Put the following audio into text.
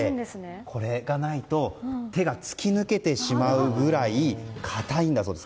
これがないと手が突き抜けてしまうぐらい硬いんだそうです。